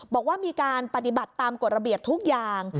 บอกว่ามีการปฏิบัติตามกฎระเบียบทุกอย่าง